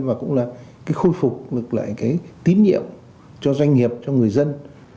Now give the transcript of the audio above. và cũng là cái khôi phục ngược lại cái tín nhiệm cho doanh nghiệp cho người dân